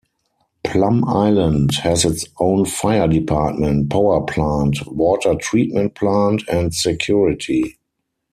Plum Island has its own fire department, power plant, water treatment plant and security.